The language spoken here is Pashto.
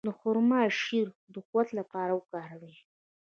د خرما شیره د قوت لپاره وکاروئ